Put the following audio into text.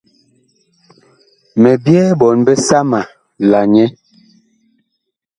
Mi byɛɛ ɓɔɔn bisama la nyɛ.